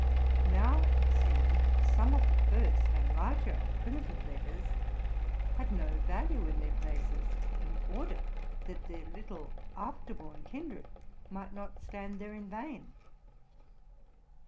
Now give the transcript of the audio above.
Now, it seemed, some of the first and larger primitive letters had no value in their places, in order that their little after born kindred might not stand there in vain.